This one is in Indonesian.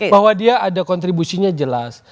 bahwa dia ada kontribusinya jelas